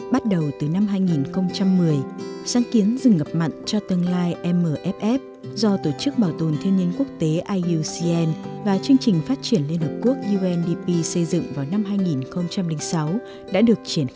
bắt đầu từ năm hai nghìn một mươi sáng kiến dừng ngập mặn cho tương lai mff do tổ chức bảo tồn thiên nhiên quốc tế iocn và chương trình phát triển liên hợp quốc undp xây dựng vào năm hai nghìn sáu đã được triển khai